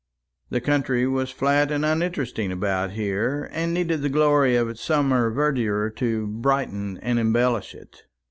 The country was flat and uninteresting about here, and needed the glory of its summer verdure to brighten and embellish it.